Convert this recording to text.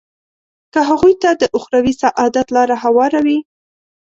که هغوی ته د اخروي سعادت لاره هواروي.